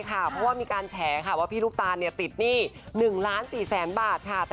เพราะมีการแสดงแจนว่าพี่ลูกตาลติดหนี้๑ล้าน๔๐๐๐๐๐บาท